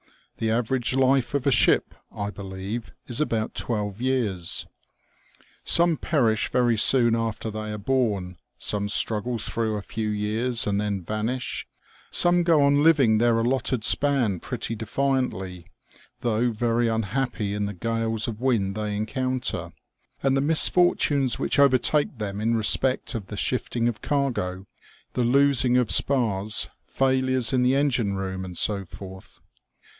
The average life of a ship, I believe, is about twelve years. Some perish very soon after they are born, some struggle through a few years and then vanish, some go on living their allotted span pretty defiantly, though very unhappy in the gales of wind they encounter, and the misfortunes which overtake them in respect of the shifting of cargo, the losing of spars, failures in the engine room, and so forth.